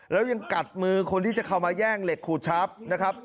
แล้วยังกัดมือคนที่จะเข้ามาแย่งเหล็กขูดชับนะครับ